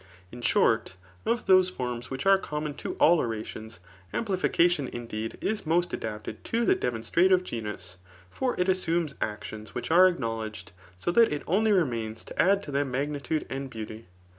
In shorty of those forms which are common to all orations, amplification, indeed, is most adapted to the demonstrative genus. For it assumes actions which are acknowledged, so that it only remains to add to them magnitude and beauty.